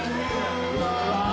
うわ。